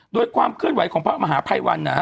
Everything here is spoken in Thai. โดยความเคลื่อนไหวของพระมหาภัยวันนะฮะ